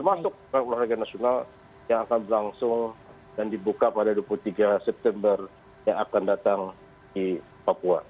termasuk olahraga nasional yang akan berlangsung dan dibuka pada dua puluh tiga september yang akan datang di papua